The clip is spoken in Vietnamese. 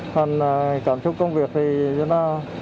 thành cảm xúc công việc thì nó thích phát